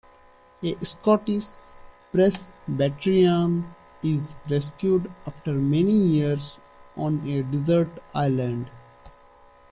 A Scottish Presbyterian is rescued after many years on a desert island.